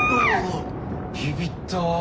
ビビった。